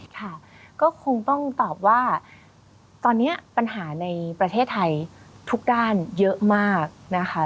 ค่ะก็คงต้องตอบว่าตอนนี้ปัญหาในประเทศไทยทุกด้านเยอะมากนะคะ